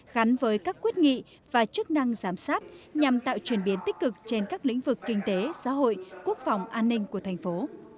gắn với các quyết nghị và chức năng giám sát nhằm tạo truyền biến tích cực trên các lĩnh vực kinh tế xã hội quốc phòng an ninh của thành phố